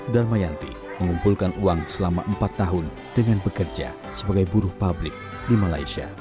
dharma yanti mengumpulkan uang selama empat tahun dengan bekerja sebagai buru pabrik di malaysia